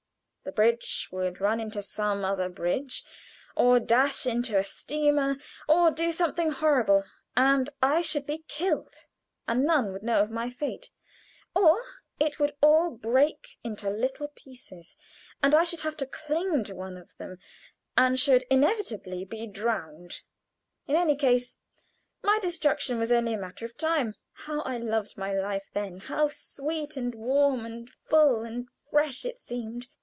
The bridge would run into some other bridge, or dash into a steamer, or do something horrible, and I should be killed, and none would know of my fate; or it would all break into little pieces, and I should have to cling to one of them, and should inevitably be drowned. In any case, my destruction was only a matter of time. How I loved my life then! How sweet, and warm, and full, and fresh it seemed!